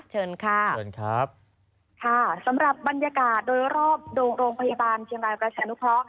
เชิญค่ะค่ะสำหรับบรรยากาศโดยรอบโรงพยาบาลเชียงบายประชานุคล้อ